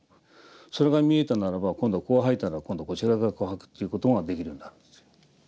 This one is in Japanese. それが見えたならば今度はこう掃いたら今度はこちらからこう掃くということができるようになるんですよ。